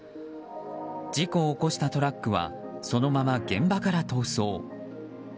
事故を起こしたトラックはそのまま現場から逃走。